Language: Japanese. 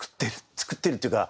作ってるっていうか。